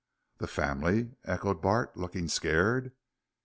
"The family?" echoed Bart, looking scared.